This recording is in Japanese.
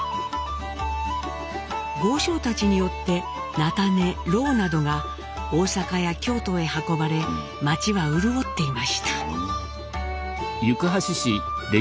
豪商たちによって菜種ろうなどが大阪や京都へ運ばれ町は潤っていました。